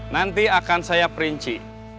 nanti akan saya perinci